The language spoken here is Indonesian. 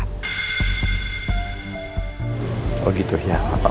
kalau gitu ya mantap